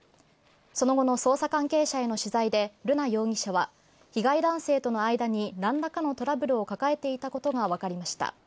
その後の捜査関係者への取材で瑠奈容疑者は被害男性との間になんらかのトラブルを抱えていたことがわかりました。